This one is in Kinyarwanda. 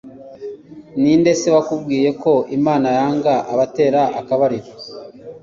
ninde c wakubwiye ko Imana yanga abatera akabariro